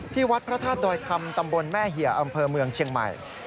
วัดพระธาตุดอยคำตำบลแม่เหี่ยอำเภอเมืองเชียงใหม่